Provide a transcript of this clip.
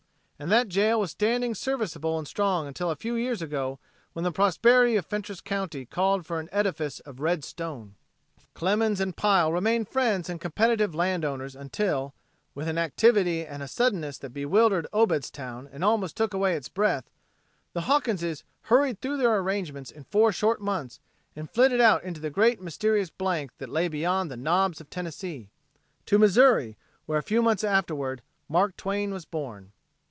And that jail was standing serviceable and strong until a few years ago when the prosperity of Fentress county called for an edifice of red stone. Clemens and Pile remained friends and competitive land owners until "with an activity and a suddenness that bewildered Obedstown and almost took away its breath, the Hawkinses hurried through their arrangements in four short months and flitted out into the great mysterious blank that lay beyond the Knobs of Tennessee" to Missouri, where a few months afterward "Mark Twain" was born.